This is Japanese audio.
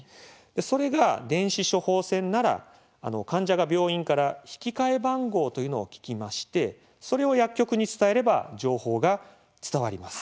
それが電子処方箋なら患者が病院から引き換え番号というのを聞きましてそれを薬局に伝えれば情報が伝わります。